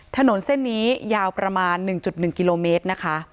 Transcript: ถนนเส้นนี้ยาวประมาณ๑๑กิโลเมตรนะคะ